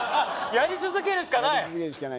やり続けるしかないの。